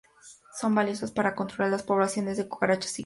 Son valiosos para controlar las poblaciones de cucarachas y grillos.